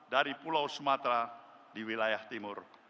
dari pulau sumatera di wilayah timur